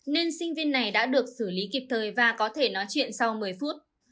nên sinh viên này đã được xử lý kịp thời và có thể nói chuyện sau một mươi phút